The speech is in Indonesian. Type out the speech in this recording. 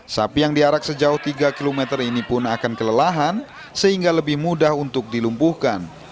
sapi yang diarak sejauh tiga km ini pun akan kelelahan sehingga lebih mudah untuk dilumpuhkan